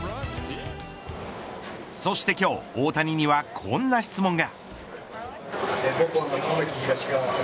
そして今日大谷にはこんな質問が。